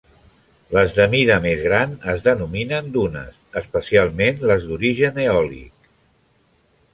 Les de mida més gran es denominen dunes, especialment les d'origen eòlic.